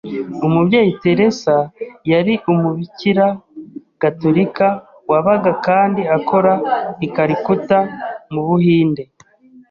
Umubyeyi Teresa yari umubikira Gatolika wabaga kandi akora i Calcutta, mu Buhinde.